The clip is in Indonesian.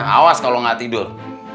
awas kalau gak tidur